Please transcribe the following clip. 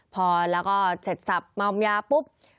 พอแล้วก็เฉ็ดสับมาอมยาปุ๊บ